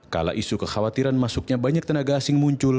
kala isu kekhawatiran masuknya banyak tenaga asing muncul